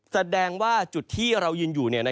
แสดงว่าจุดที่เรายืนอยู่